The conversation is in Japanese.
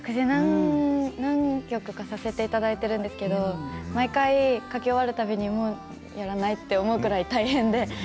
何曲かさせていただいているんですけれども書き終わるたびにもうやらないと思うぐらい大変で。